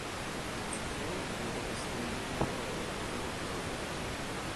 Zuvor wurde es in "Pearl" umgetauft.